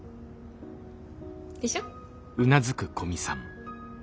でしょ？